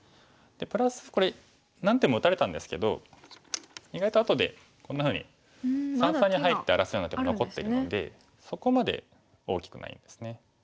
プラスこれ何手も打たれたんですけど意外とあとでこんなふうに三々に入って荒らすような手も残ってるのでそこまで大きくないんですね。